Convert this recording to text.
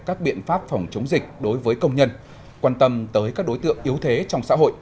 các biện pháp phòng chống dịch đối với công nhân quan tâm tới các đối tượng yếu thế trong xã hội